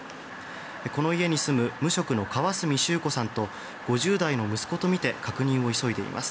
この家に住む無職の川角＊子さんと５０代の息子とみて確認を急いでいます。